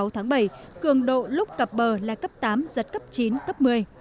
hai mươi sáu tháng bảy cường độ lúc cặp bờ là cấp tám giật cấp chín cấp một mươi